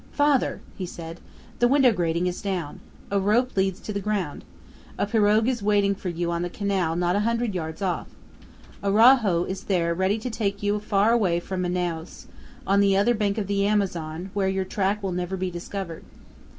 "Father," he said, "the window grating is down. A rope leads to the ground. A pirogue is waiting for you on the canal not a hundred yards off. Araujo is there ready to take you far away from Manaos, on the other bank of the Amazon where your track will never be discovered.